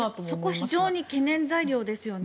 そこ非常に懸念材料ですよね。